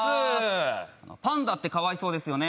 パンダってかわいそうですよね。